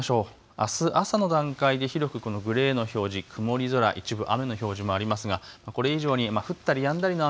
あす朝の段階で広くこのグレーの表示、曇り空、一部雨の表示もありますが、これ以上に降ったりやんだりの雨